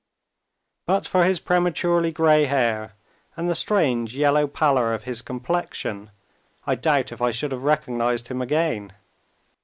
But for his prematurely gray hair and the strange yellow pallor of his complexion, I doubt if I should have recognized him again.